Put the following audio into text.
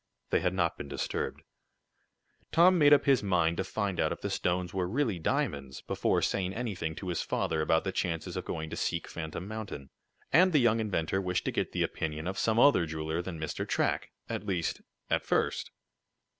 They had not been disturbed. Tom made up his mind to find out if the stones were really diamonds, before saying anything to his father about the chance of going to seek Phantom Mountain. And the young inventor wished to get the opinion of some other jeweler than Mr. Track at least, at first.